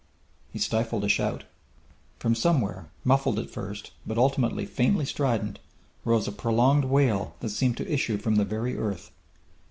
He stifled a shout. From somewhere, muffled at first, but ultimately faintly strident, rose a prolonged wail that seemed to issue from the very earth.